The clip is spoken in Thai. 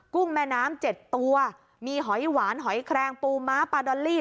ุ้งแม่น้ำเจ็ดตัวมีหอยหวานหอยแครงปูม้าปลาดอลลี่